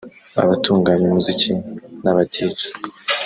abatunganya umuziki n’aba-Djs